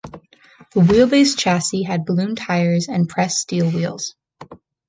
The wheelbase chassis had balloon tires and pressed steel wheels.